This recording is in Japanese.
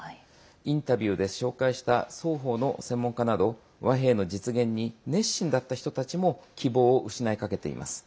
インタビューで紹介した双方の専門家など和平の実現に熱心だった人たちも希望を失いかけています。